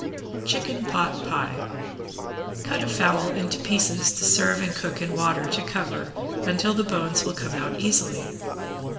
~CHICKEN POT PIE~ Cut a fowl into pieces to serve and cook in water to cover until the bones will come out easily.